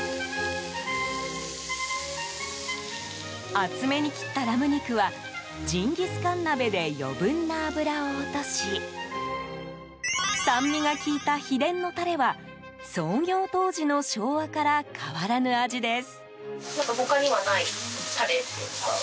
厚めに切ったラム肉はジンギスカン鍋で余分な脂を落とし酸味が効いた秘伝のタレは創業当時の昭和から変わらぬ味です。